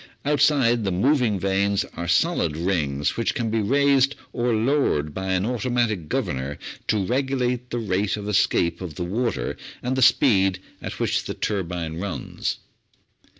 Outside the moving vanes are solid rings which can be raised or lowered by an automatic governor to regulate the rate of escape of the water and the speed at which the turbine runs.